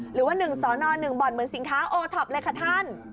หรือว่าหนึ่งสอนอนหนึ่งบ่อนเหมือนสิงค้าโอทอปเลยค่ะท่าน